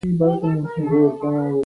افغانستان مړ دی یو جسد دی.